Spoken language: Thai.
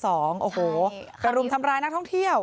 โอ้โหกระรุมทำร้ายนักท่องเที่ยว